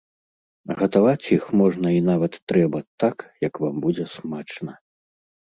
Гатаваць іх можна і нават трэба так, як вам будзе смачна.